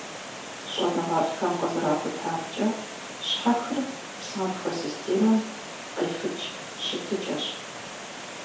ЩӀэныгъэлӀхэм къызэрахутамкӀэ, щхьэхыр псантхуэ системэм къефыкӀ щытыкӀэщ.